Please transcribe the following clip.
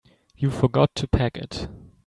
You forgot to pack it.